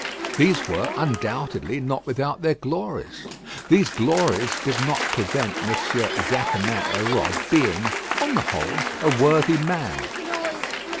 These were, undoubtedly, not without their glories. These glories did not prevent M. Jaquemin Hérode being, on the whole, a worthy man.